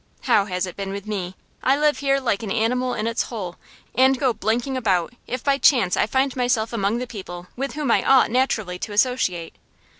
How has it been with me? I live here like an animal in its hole, and go blinking about if by chance I find myself among the people with whom I ought naturally to associate.